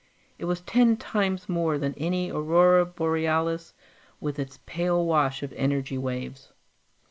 It was ten times more than any aurora borealis with its pale wash of energy waves.